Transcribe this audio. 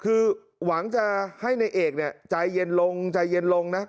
คือหวังจะให้ในเอกเนี่ยใจเย็นลงใจเย็นลงนะ